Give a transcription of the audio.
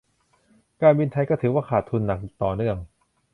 การบินไทยก็ถือว่าขาดทุนหนักต่อเนื่อง